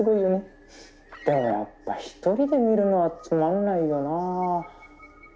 でもやっぱ１人で見るのはつまんないよな。